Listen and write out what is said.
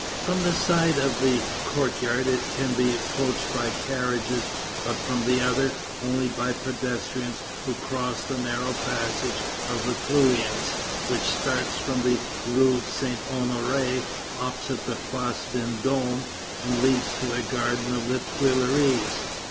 From the side of the courtyard it can be approached by carriages, but from the other, only by pedestrians who cross the narrow passage of the Feuillants, which starts from the rue Saint Honoré, opposite the Place Vendôme, and leads to the garden of the Tuileries.